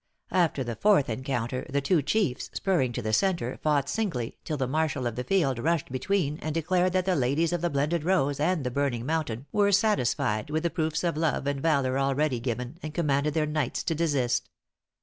After the fourth encounter, the two chiefs, spurring to the centre, fought singly, till the marshall of the field rushed between, and declared that the ladies of the Blended Rose and the Burning Mountain were satisfied with the proofs of love and valor already given, and commanded their knights to desist.